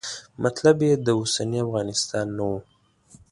مطلب یې د اوسني افغانستان نه و.